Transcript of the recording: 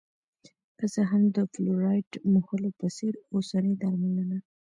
که څه هم د فلورایډ موښلو په څېر اوسنۍ درملنه